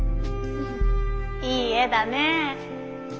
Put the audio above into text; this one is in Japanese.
いい絵だねえ。